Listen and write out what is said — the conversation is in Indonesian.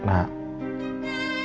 nanti aku kesana